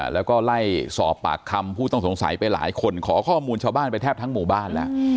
แล้วก็ไล่สอบปากคำผู้ต้องสงสัยไปหลายคนขอข้อมูลชาวบ้านไปแทบทั้งหมู่บ้านแล้ว